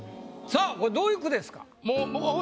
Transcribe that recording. さぁこれどういう句ですか？